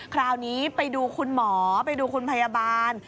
คราวนี้ไปดูคุณหมอไปดูคุณพยาบาล